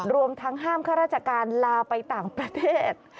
รวมทั้งห้ามข้าราชการลาไปต่างประเทศ